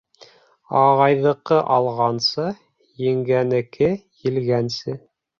Ағайҙыҡы алғансы, еңгәнеке елгәнсе.